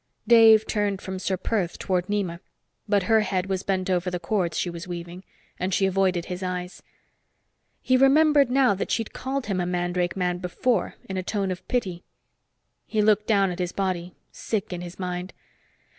Dave turned from Ser Perth toward Nema, but her head was bent over the cords she was weaving, and she avoided his eyes. He remembered now that she'd called him a mandrake man before, in a tone of pity. He looked down at his body, sick in his mind.